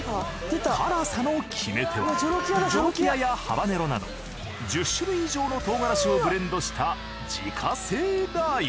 辛さの決め手はジョロキアやハバネロなど１０種類以上の唐辛子をブレンドした自家製ラー油。